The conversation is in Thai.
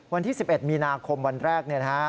วันที่๑๑มีนาคมวันแรกเนี่ยนะครับ